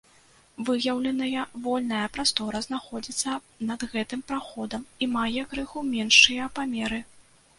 Выяўленая вольная прастора знаходзіцца над гэтым праходам і мае крыху меншыя памеры.